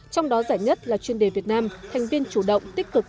trong đó giải nhất là chuyên đề việt nam thành viên chủ động tích cực